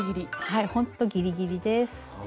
はいほんとギリギリです。